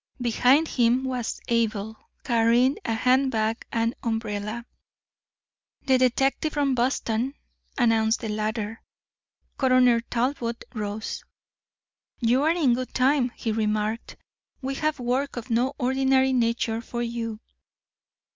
Behind him was Abel, carrying a hand bag and umbrella. "The detective from Boston," announced the latter. Coroner Talbot rose. "You are in good time," he remarked. "We have work of no ordinary nature for you."